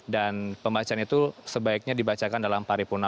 dan pembacaan itu sebaiknya dibacakan dalam paripurna